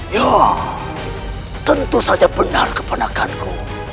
ya tentu saja benar keponakanku